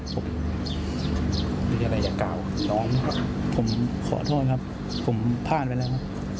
ผมขอโทษครับผมพลาดไปแล้ว